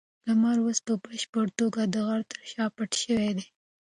لمر اوس په بشپړه توګه د غره تر شا پټ شوی دی.